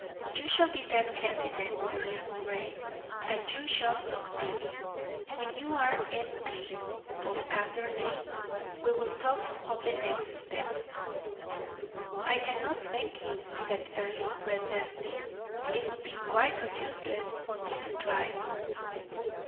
You shall be that candidate, Earle Moray, and you shall succeed. When you are M. P. for Anderley, we will talk of the next step." "I cannot thank you," said Earle, breathlessly; "it would be quite useless for me to try."